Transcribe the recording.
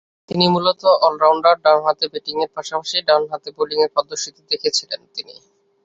তিনি মূলতঃ অল-রাউন্ডার ডানহাতে ব্যাটিংয়ের পাশাপাশি ডানহাতে বোলিংয়েও পারদর্শিতা দেখিয়েছেন তিনি।